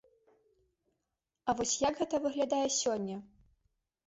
А вось як гэта выглядае сёння?